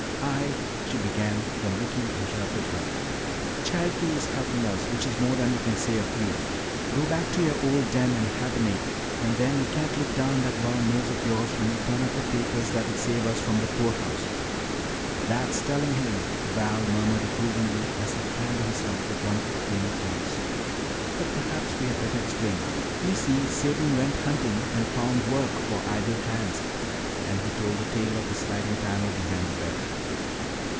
"I " she began, when Ricky interrupted her. "Charity is helping us, which is more than we can say of you. Go back to your old den and hibernate. And then you can't look down that long nose of yours when we turn up the papers that'll save us from the poorhouse." "That's telling him," Val murmured approvingly as he fanned himself with one of the cleaner cloths. "But perhaps we had better explain. You see, Satan went hunting and found work for idle hands," and he told the tale of the sliding panel behind the bed.